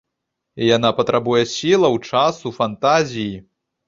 Яна патрабуе сілаў, часу, фантазіі.